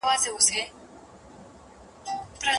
دومره مړه کي په ښارونو کي وګړي